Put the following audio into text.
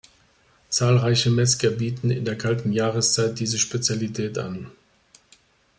Zahlreiche Metzger bieten in der kalten Jahreszeit diese Spezialität an.